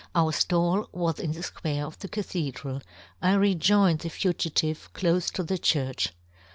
"Our flail was in the fquare of the " Cathedral ; I rejoined the fugitive " clofe to the church.